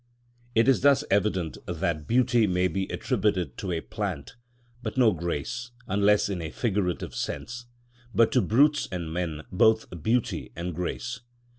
It is thus evident that beauty may be attributed to a plant, but no grace, unless in a figurative sense; but to brutes and men, both beauty and grace.